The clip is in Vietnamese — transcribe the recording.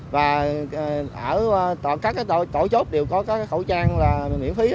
và các tổ chốt đều có khẩu trang miễn phí